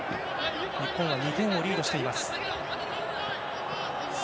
日本は２点をリードしています。